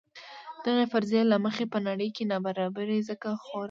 دغې فرضیې له مخې په نړۍ کې نابرابري ځکه خوره ده.